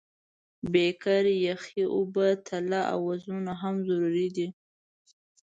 بیکر، یخې اوبه، تله او وزنونه هم ضروري دي.